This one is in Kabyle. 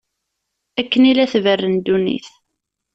Akken i la tberren ddunit.